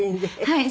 はい。